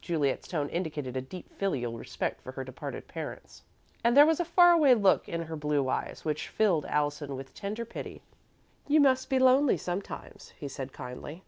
Juliet's tone indicated a deep filial respect for her departed parents and there was a faraway look in her blue eyes which filled Allison with tender pity. "You must be lonely sometimes," he said, kindly.